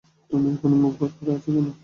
তুমি এখনো মুখ ভার করে আছো কেন?